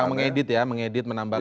mengedit ya mengedit menambahkan